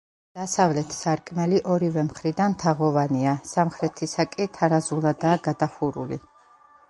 დასავლეთ სარკმელი ორივე მხრიდან თაღოვანია, სამხრეთისა კი თარაზულადაა გადახურული.